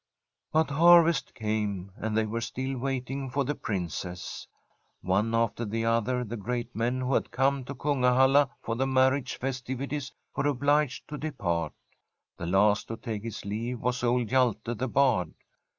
But harvest came and they were still waiting for the Princess. One after the other the great men who had come to Kungahalla for the mar riage festivities were obliged to depart. The last to take his leave was old Hjalte the Bard.